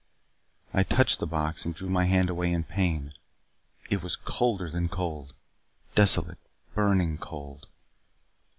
I touched the box and drew my hand away in pain. It was colder than cold. Desolate, burning cold.